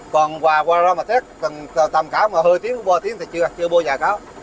còn hòa qua đó mà tết tầm khảo mà hơi tiếng bôi tiếng thì chưa bao giờ có